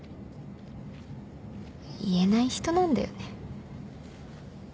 言えない人なんだよね。